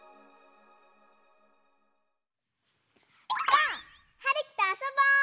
ばあっ！はるきとあそぼう！